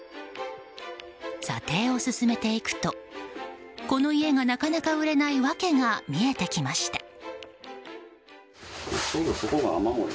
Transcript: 査定を進めていくとこの家がなかなか売れない訳が見えてきました。